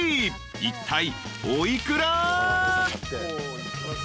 いったいお幾ら？］